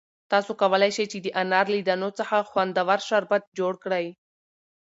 تاسو کولای شئ چې د انار له دانو څخه خوندور شربت جوړ کړئ.